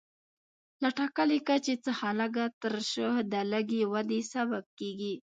له ټاکلي کچې څخه لږه ترشح د لږې ودې سبب کېږي.